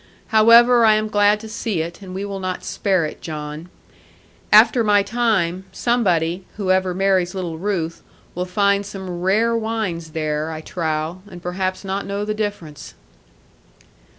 However, I am glad to see it, and we will not spare it, John. After my time, somebody, whoever marries little Ruth, will find some rare wines there, I trow, and perhaps not know the difference.'